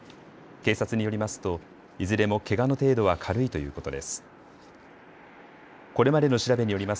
警察によりますといずれもけがの程度は軽いということです。